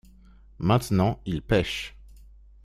Maintenant ils pêchent.